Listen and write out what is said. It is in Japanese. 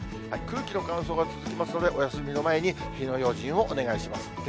空気の乾燥が続きますので、お休みの前に火の用心をお願いします。